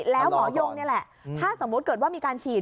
แล้วหมอยงนี่แหละถ้าสมมุติเกิดว่ามีการฉีด